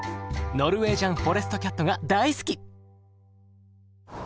ノルウェージャンフォレストキャットが大好き！